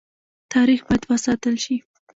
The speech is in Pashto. تاریخ باید وساتل شي